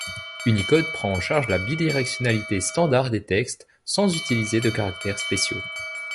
Unicode prend en charge la bidirectionnalité standard des textes sans utiliser de caractères spéciaux.